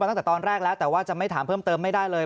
ตั้งแต่ตอนแรกแล้วแต่ว่าจะไม่ถามเพิ่มเติมไม่ได้เลย